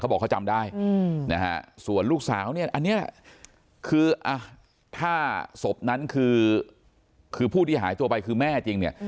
บอกเขาจำได้นะฮะส่วนลูกสาวเนี่ยอันนี้คือถ้าศพนั้นคือผู้ที่หายตัวไปคือแม่จริงเนี่ย